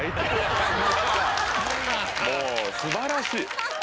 もう素晴らしい。